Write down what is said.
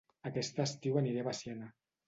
Aquest estiu aniré a Veciana